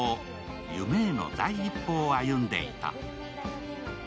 夢への第一歩を歩んでいた。